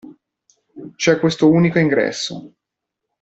C'è questo unico ingresso.